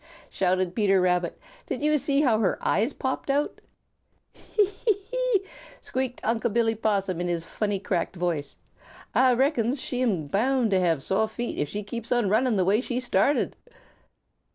shouted Peter Rabbit. "Did you see how her eyes popped out?" "Hee, hee, hee!" squeaked Unc' Billy Possum in his funny cracked voice. "Ah reckons she am bound to have sore feet if she keeps on running the way she started."